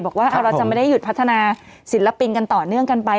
บอกว่าเราจะไม่ได้หยุดพัฒนาศิลปินกันต่อเนื่องกันไป